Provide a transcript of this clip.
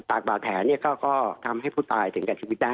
ตากบาดแถก็ทำให้ผู้ตายถึงกระทิวิตได้